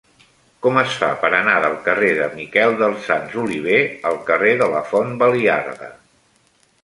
Com es fa per anar del carrer de Miquel dels Sants Oliver al carrer de la Font Baliarda?